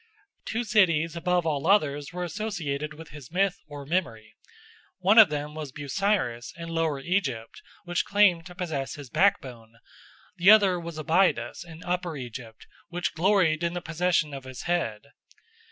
Two cities above all others were associated with his myth or memory. One of them was Busiris in Lower Egypt, which claimed to possess his backbone; the other was Abydos in Upper Egypt, which gloried in the possession of his head.